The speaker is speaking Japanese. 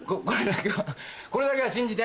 これだけは信じて。